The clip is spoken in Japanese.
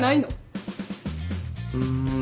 うん。